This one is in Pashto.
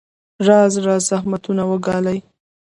راز راز زحمتونه وګاللې.